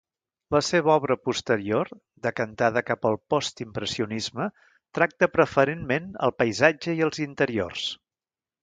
La seva obra posterior, decantada cap al postimpressionisme, tracta preferentment el paisatge i els interiors.